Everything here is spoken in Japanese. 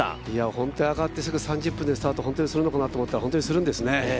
本当、上がって３０分でスタートするのかと思ったら本当にするんですね。